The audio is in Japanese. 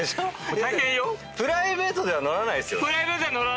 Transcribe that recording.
プライベートでは乗らないっすよね？